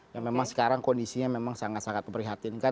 yang memang sekarang kondisinya memang sangat sangat memprihatinkan